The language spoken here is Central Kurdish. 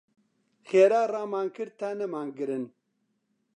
خێرا ڕامان کرد تا نەمانگرن.